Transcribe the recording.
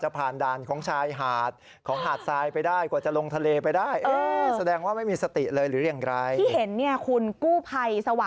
มันไม่ได้ง่ายนะคะ